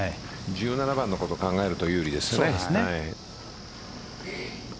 １７番のことを考えると有利ですね。